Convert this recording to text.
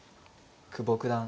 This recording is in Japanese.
久保九段